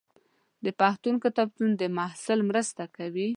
د پوهنتون کتابتون د محصل مرسته کوي.